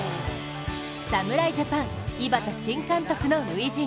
侍ジャパン、井端新監督の初陣。